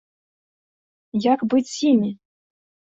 Як быць з імі?